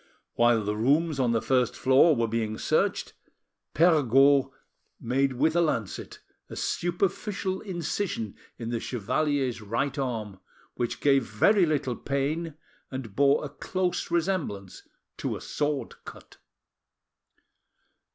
While the rooms on the first floor were being searched, Perregaud made with a lancet a superficial incision in the chevalier's right arm, which gave very little pain, and bore a close resemblance to a sword cut.